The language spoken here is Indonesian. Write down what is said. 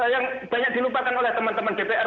yang banyak dilupakan oleh teman teman dpr